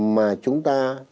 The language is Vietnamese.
mà chúng ta